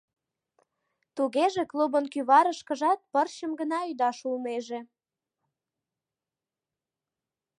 Тугеже клубын кӱварышкыжат пырчым гына ӱдаш улнеже.